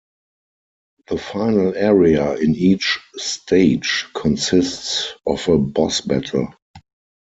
The final area in each stage consists of a boss battle.